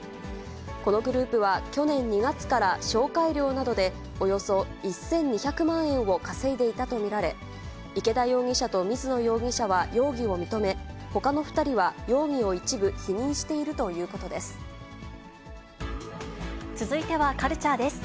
このグループは去年２月から紹介料などで、およそ１２００万円を稼いでいたと見られ、池田容疑者と水野容疑者は容疑を認め、ほかの２人は容疑を一部否続いてはカルチャーです。